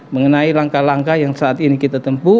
mengenai langkah langkah yang saat ini kita tempuh